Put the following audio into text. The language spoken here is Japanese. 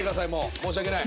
申し訳ない。